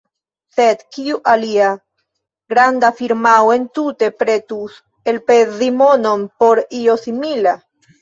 Sed kiu alia granda firmao entute pretus elspezi monon por io simila?